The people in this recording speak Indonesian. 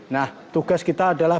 nah tugas kita adalah